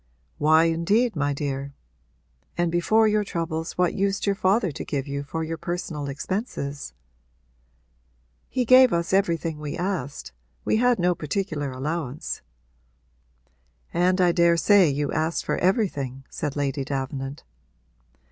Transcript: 'Why indeed, my dear? And before your troubles what used your father to give you for your personal expenses?' 'He gave us everything we asked we had no particular allowance.' 'And I daresay you asked for everything?' said Lady Davenant.